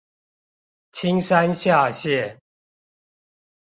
青山下線